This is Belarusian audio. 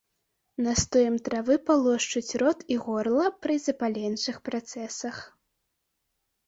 Настоем травы палошчуць рот і горла пры запаленчых працэсах.